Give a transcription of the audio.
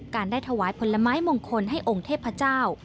ได้ถวายผลไม้มงคลให้องค์เทพเจ้า